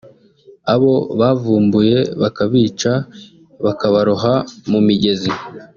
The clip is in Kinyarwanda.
abo bavumbuye bakabica bakabaroha mu migezi